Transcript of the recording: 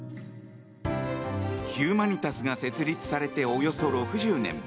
ヒューマニタスが設立されておよそ６０年。